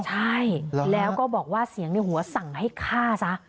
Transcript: ใช่แล้วก็บอกว่าเสียงในหัวสั่งให้ฆ่าซะ